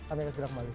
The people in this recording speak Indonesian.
amin mas gerak malih